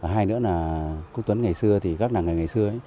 hai nữa là quốc tuấn ngày xưa các nàng ngày xưa